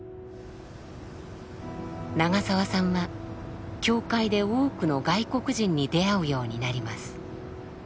長澤さんは教会で多くの外国人に出会うようになります。